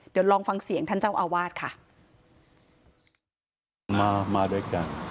เดี๋ยวลองฟังเสียงท่านเจ้าอาวาสค่ะมามาด้วยกัน